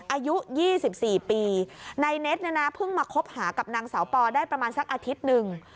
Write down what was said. อายุ๒๔ปีนายเน็ตเนี่ยนะเพิ่งมาคบหากับนางสาวปอได้ประมาณสักอาทิตย์หนึ่ง